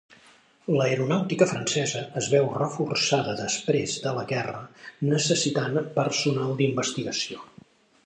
L'aeronàutica francesa es véu reforçada després de la guerra, necessitant personal d'investigació.